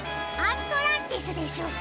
アントランティスです。